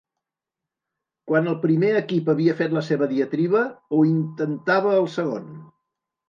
Quan el primer equip havia fet la seva diatriba, ho intentava el segon.